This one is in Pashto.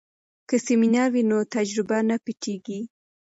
که سمینار وي نو تجربه نه پټیږي.